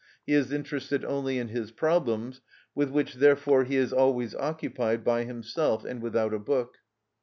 He is interested only in his problems, with which therefore he is always occupied, by himself and without a book.